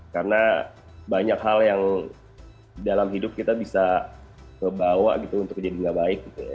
karena banyak hal yang dalam hidup kita bisa membawa gitu untuk jadi lebih baik gitu ya